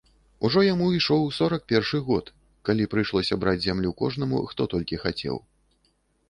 Ужо яму ішоў сорак першы год, калі прыйшлося браць зямлю кожнаму, хто толькі хацеў.